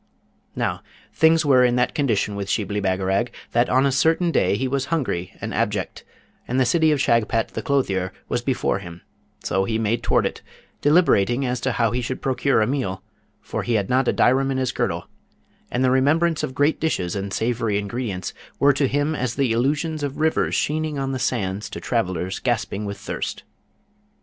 Now, things were in that condition with Shibli Bagarag, that on a certain day he was hungry and abject, and the city of Shagpat the clothier was before him; so he made toward it, deliberating as to how he should procure a meal, for he had not a dirhem in his girdle, and the remembrance of great dishes and savoury ingredients were to him as the illusion of rivers sheening on the sands to travellers gasping with thirst.